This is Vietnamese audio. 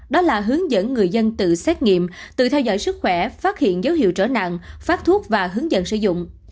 đó là hướng dẫn người dân tự xét nghiệm tự theo dõi sức khỏe phát hiện dấu hiệu trở nặng phát thuốc và hướng dẫn sử dụng